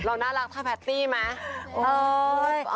เราน่ารักถ้าแพตตี้ไหม